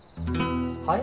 はい？